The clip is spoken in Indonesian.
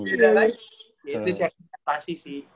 beda lagi gitu sih adaptasi sih